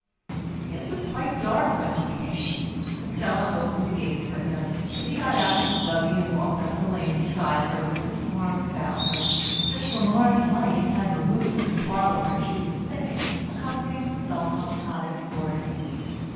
It was quite dark when he came. Estella opened the gate for him, but he got out of his buggy and walked up the lane beside her with his arm about her. Miss LeMar's light had removed to the parlour where she was singing, accompanying herself on the cottage organ.